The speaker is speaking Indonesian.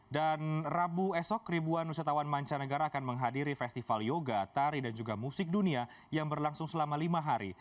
dan rabu esok ribuan usatawan mancanegara akan menghadiri festival yoga tari dan juga musik dunia yang berlangsung selama lima hari